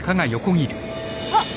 あっ！